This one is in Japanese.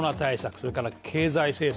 それから経済政策。